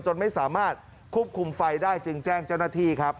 จนไม่สามารถควบคุมไฟได้จึงแจ้งเจ้าหน้าที่ครับ